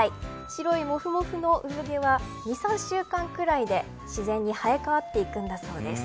白いもふもふの産毛は２、３週間ぐらいで自然に生え替わっていくんだそうです。